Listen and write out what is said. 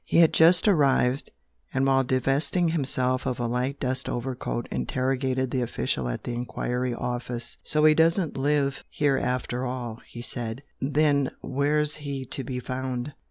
He had just arrived, and while divesting himself of a light dust overcoat interrogated the official at the enquiry office. "So he doesn't live here after all," he said "Then where's he to be found?"